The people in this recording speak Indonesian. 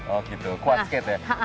oh gitu quad skate ya